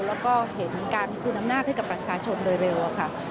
แล้วก็เห็นการคืนอำนาจให้กับประชาชนโดยเร็วค่ะ